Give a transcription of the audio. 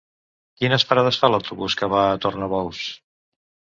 Quines parades fa l'autobús que va a Tornabous?